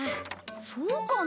そうかな？